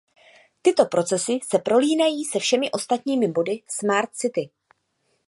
Tyto procesy se prolínají se všemi ostatními body smart city.